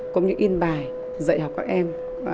cũng như in bài dạy học các em